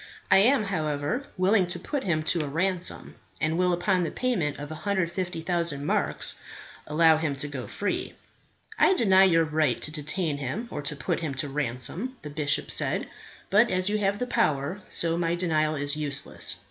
I am, however, willing to put him to a ransom, and will upon the payment of 150,000 marks allow him to go free." "I deny your right to detain him or to put him to ransom," the bishop said. "But as you have the power, so my denial is useless.